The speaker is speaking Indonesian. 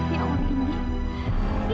ya ampun indi